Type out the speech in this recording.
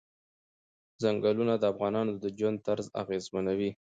چنګلونه د افغانانو د ژوند طرز اغېزمنوي.